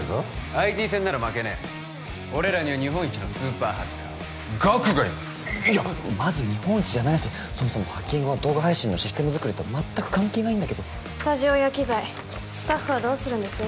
ＩＴ戦なら負けねえ俺らには日本一のスーパーハッカーガクがいますいやまず日本一じゃないしそもそもハッキングは動画配信のシステム作りと全く関係ないんだけどスタジオや機材スタッフはどうするんです？